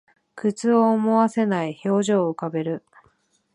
苦痛を思わせない表情を浮かべる